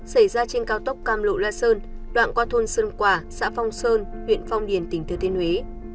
xảy ra trên cao tốc cam lộ la sơn đoạn qua thôn sơn quả xã phong sơn huyện phong điền tỉnh thừa thiên huế